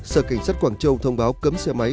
sở cảnh sát quảng châu thông báo cấm xe máy